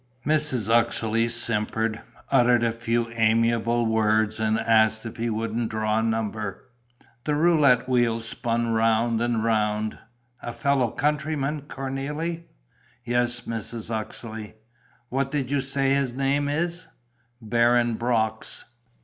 Mrs. Uxeley simpered, uttered a few amiable words and asked if he wouldn't draw a number. The roulette wheel spun round and round. "A fellow countryman, Cornélie?" "Yes, Mrs. Uxeley." "What do you say his name is?" "Baron Brox."